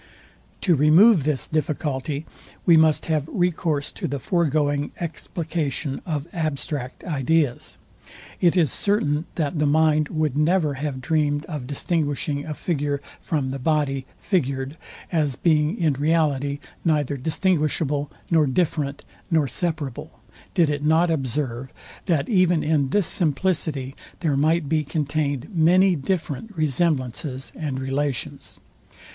To remove this difficulty we must have recourse to the foregoing explication of abstract ideas. It is certain that the mind would never have dreamed of distinguishing a figure from the body figured, as being in reality neither distinguishable, nor different, nor separable; did it not observe, that even in this simplicity there might be contained many different resemblances and relations.